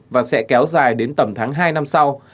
và sẽ kéo dài đến tầm tháng hai năm sau